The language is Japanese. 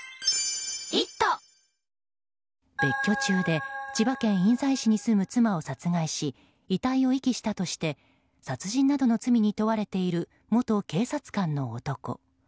別居中で千葉県印西市に住む妻を殺害し遺体を遺棄したとして殺人などの罪に問われている元警察官の男。